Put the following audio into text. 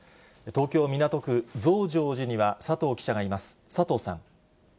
東京・港区増上寺には佐藤記者がいます。